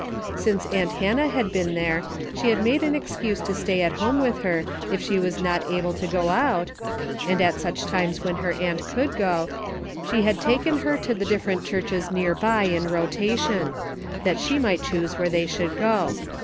Since annt Hannah had been there, she had made an excuse to stay at home with her if she was not able to go out, and at such times when her aunt could go, she had taken her to the different churches near by in rotation, that she might choose where they should go.